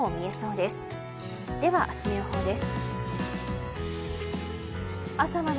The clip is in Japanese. では、明日の予報です。